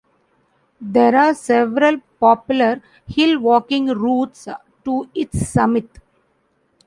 There are several popular hillwalking routes to its summit.